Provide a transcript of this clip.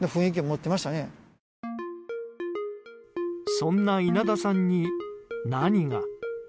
そんな稲田さんに何が。